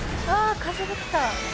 風が来た。